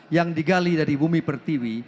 yang digali dari bumi pertiwi